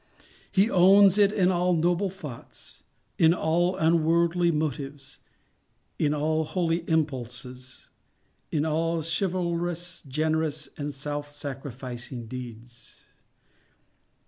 He owns it in all noble thoughts—in all unworldly motives—in all holy impulses—in all chivalrous, generous, and self sacrificing deeds.